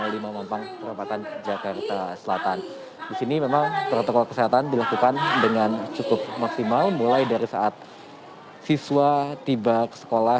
di sini memang protokol kesehatan dilakukan dengan cukup maksimal mulai dari saat siswa tiba ke sekolah